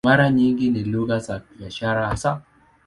Mara nyingi ni lugha za biashara hasa.